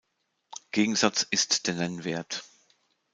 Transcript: Gegensatz ist der Nennwert.